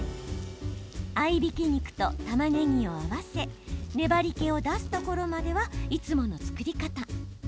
合いびき肉とたまねぎを合わせ粘りけを出すところまではいつもの作り方。